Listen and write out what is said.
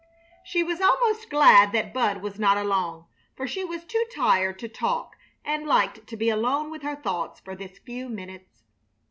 She was almost glad that Bud was not along, for she was too tired to talk and liked to be alone with her thoughts for this few minutes.